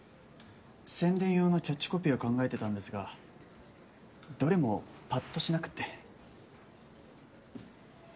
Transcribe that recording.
宣伝用のキャッチコピーを考えてたんですがどれもパッとしなくて。